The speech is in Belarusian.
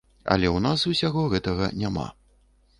Але ў нас усяго гэтага няма.